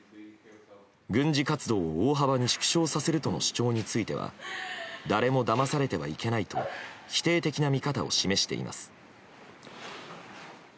軍事活動を大幅に縮小させるとの主張については誰もだまされてはいけないと否定的な見方を示しています。